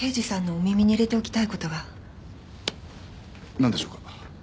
なんでしょうか？